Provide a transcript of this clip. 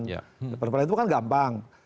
pertama peradilan itu kan gampang